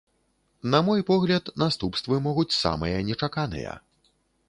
На мой погляд, наступствы могуць самыя нечаканыя.